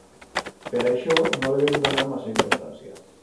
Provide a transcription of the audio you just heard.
Per aixó, no le vem donar masa importancia.